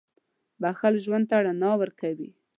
• بښل ژوند ته رڼا ورکوي.